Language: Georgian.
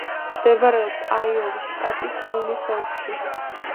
მდებარეობს აიოვის შტატის ბუნის ოლქში.